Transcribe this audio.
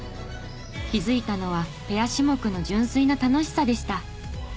気づいたのはペア種目の純粋な楽しさでした。